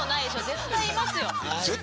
絶対いますよ。